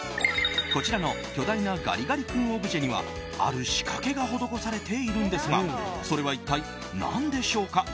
こちらの巨大なガリガリ君オブジェにはある仕掛けが施されているんですがそれは一体何でしょうか。